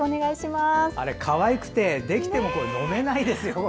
かわいくて、できても飲めないですよね。